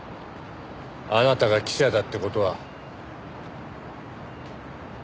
あなたが記者だって事は。